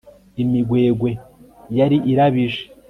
imigwegwe yari irabije